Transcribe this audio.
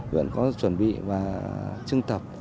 huyện có chuẩn bị và chưng tập